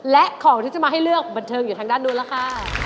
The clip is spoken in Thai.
และของที่จะมาให้เลือกบันเทิงอยู่ทางด้านนู้นแล้วค่ะ